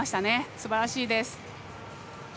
すばらしいです。